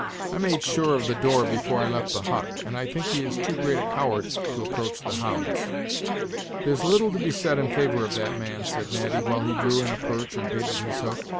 I made sure of the door before I left the hut, and I think he is too great a coward to approach the hounds." "There's little to be said in favor of that man," said Natty, while he drew in a perch and baited his hook.